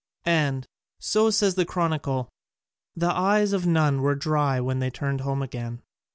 And, so says the chronicle, the eyes of none were dry when they turned home again.